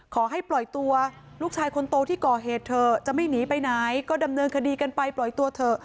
ขอให้ปล่อยตัวลูกชายคนโตที่ก่อเหตุเถอะจะไม่หนีไปไหนก็ดำเนินคดีกันไปปล่อยตัวเถอะ